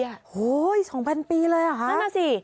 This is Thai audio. โอ้โห๒๐๐ปีเลยเหรอคะนั่นน่ะสิ